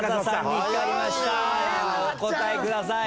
お答えください。